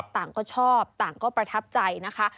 ต่างก็ชอบต่างก็ประทับใจนะคะ